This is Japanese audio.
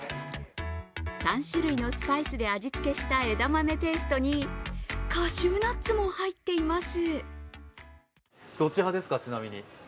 ３種類のスパイスで味付けした枝豆ペーストにカシューナッツも入っています。